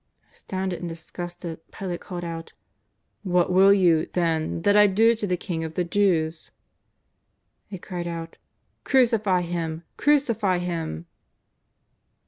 Astounded and disgusted, Pilate called out :" What will you, then, that I do to the King of the Jews ?" They cried out: " Crucify Him! Crucify Him!"